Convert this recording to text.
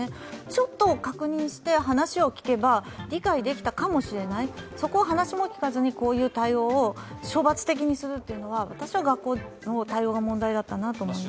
ちょっと確認して、話を聞けば理解できたかもしれない、そこを話も聞かずに、こういう対応を処罰的にするというのは私は学校の対応が問題だったなと思います。